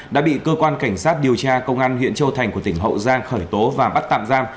đã bị cơ quan cảnh sát điều tra công an huyện châu thành của tỉnh hậu giang khởi tố và bắt tạm giam